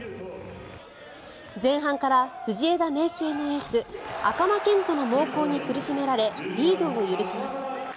前半から藤枝明誠のエース、赤間賢人の猛攻に苦しめられリードを許します。